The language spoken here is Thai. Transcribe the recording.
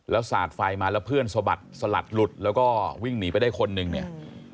แล้วสาดไฟมาแล้วเพื่อนสะบัดสลัดหลุดแล้วก็วิ่งหนีไปได้คนหนึ่งเนี่ย